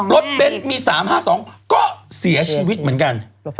เบ้นมี๓๕๒ก็เสียชีวิตเหมือนกัน